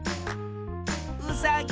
うさぎ。